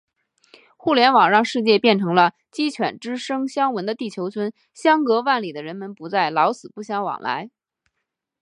互联网让世界变成了“鸡犬之声相闻”的地球村，相隔万里的人们不再“老死不相往来”。